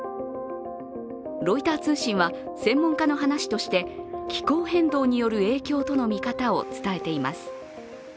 ロイター通信は専門家の話として気候変動による影響との見方を伝えています。